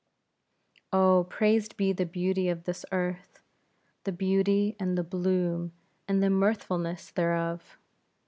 Oh, praised be the beauty of this earth, the beauty, and the bloom, and the mirthfulness thereof!